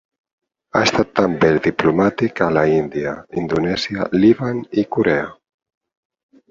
Ha estat també diplomàtic a l'Índia, Indonèsia, Líban i Corea.